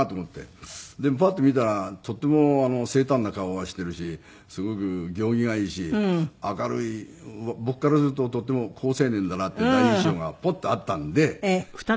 でもパッと見たらとっても端正な顔はしてるしすごく行儀がいいし明るい僕からするととっても好青年だなっていう第一印象がポッとあったんで。